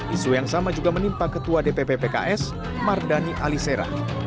isu yang sama juga menimpa ketua dpp pks mardani alisera